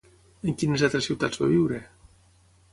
En quines altres ciutats va viure?